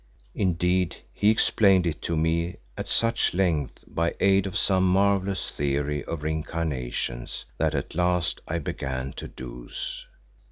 Indeed, he explained it to me at such length by aid of some marvellous theory of re incarnations, that at last I began to doze.